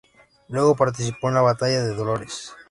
Luego participó en la Batalla de Dolores.